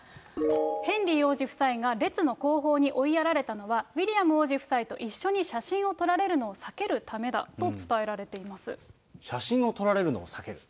ヘンリー王子夫妻が列の後方に追いやられたのは、ウィリアム王子夫妻と一緒に写真を撮られるのを避けるためだと伝写真を撮られるのを避ける。